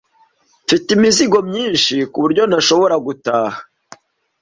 Mfite imizigo myinshi, kuburyo ntashobora gutaha.